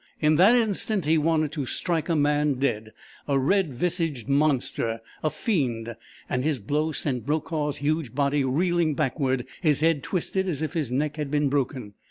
In that instant he wanted to strike a man dead a red visaged monster, a fiend; and his blow sent Brokaw's huge body reeling backward, his head twisted as if his neck had been broken.